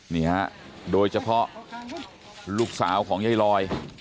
นี่ฮะโดยเฉพาะลูกสาวของยายลอย